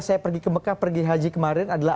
saya pergi ke mekah pergi haji kemarin adalah